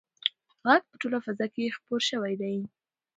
غږ په ټوله فضا کې خپور شوی دی.